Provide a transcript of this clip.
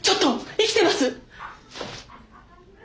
生きてます！